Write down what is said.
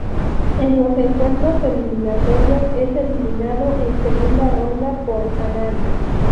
En los encuentros eliminatorios es eliminado en segunda ronda por Anand.